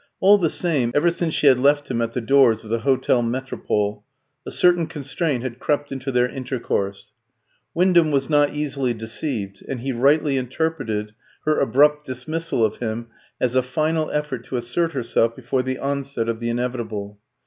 All the same, ever since she had left him at the doors of the Hôtel Metropole, a certain constraint had crept into their intercourse. Wyndham was not easily deceived, and he rightly interpreted her abrupt dismissal of him as a final effort to assert herself before the onset of the inevitable.